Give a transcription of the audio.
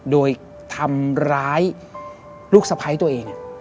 โดยทำร้ายลูกสะพ้ายตัวเอง